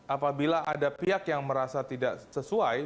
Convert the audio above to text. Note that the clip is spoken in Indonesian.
apabila ada pihak yang merasa tidak sesuai